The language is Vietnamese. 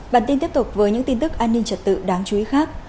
bản tin tiếp tục với những tin tức an ninh trật tự đáng chú ý khác